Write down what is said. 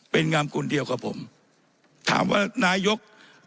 เป็นงามกุลเดียวกับผมถามว่านายก